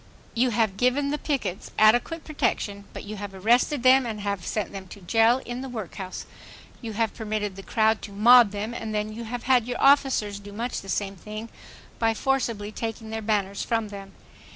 You have given the pickets adequate protection; but you have arrested them and had them sent to jail and the workhouse; you have permitted the crowd to mob them, and then you have had your officers do much the same thing by forcibly taking their banners from them.